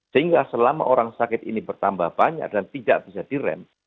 sehingga selama orang sakit ini bertambah banyak dan tidak bisa direm